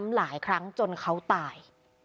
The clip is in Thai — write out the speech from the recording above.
หลังจนเขาตาย